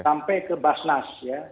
sampai ke basnas ya